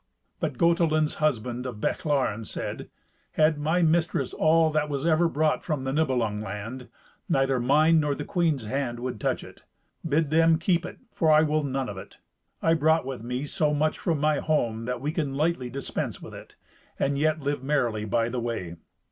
But Gotelind's husband of Bechlaren said, "Had my mistress all that was ever brought from the Nibelung land, neither mine nor the queen's hand would touch it. Bid them keep it, for I will none of it. I brought with me so much from my home that we can lightly dispense with it, and yet live merrily by the way."